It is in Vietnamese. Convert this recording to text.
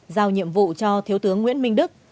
giao nhiệm vụ cho thiếu tướng nguyễn minh đức